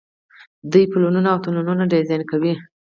دوی پلونه او تونلونه ډیزاین کوي.